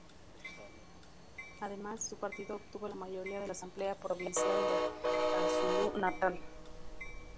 Además, su partido obtuvo la mayoría en la asamblea provincial de KwaZulu-Natal.